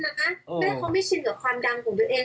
แม่เขาไม่ชินกับความดังของตัวเอง